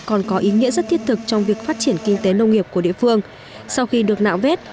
còn có ý nghĩa rất thiết thực trong việc phát triển kinh tế nông nghiệp của địa phương sau khi được nạo vét